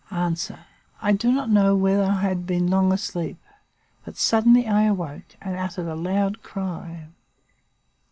"A. I do not know whether I had been long asleep, but suddenly I awoke and uttered a loud cry.